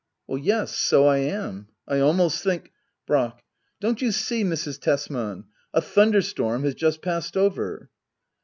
Yes — so I am — I almost think Brack. Don't you see^ Mrs. Tesman^ a thunderstorm has just passed over